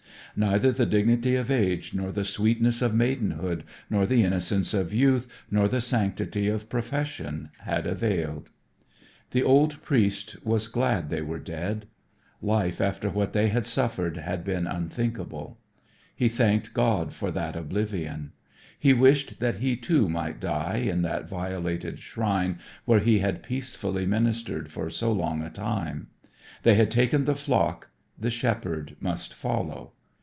Neither the dignity of age nor the sweetness of maidenhood nor the innocence of youth nor the sanctity of profession had availed. The old priest was glad they were dead. Life after what they had suffered had been unthinkable. He thanked God for that oblivion. He wished that he, too, might die in that violated shrine where he had peacefully ministered for so long a time. They had taken the flock, the shepherd must follow.